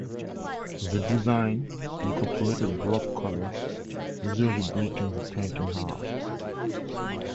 The design incorporated block colours, visually breaking the tank in half.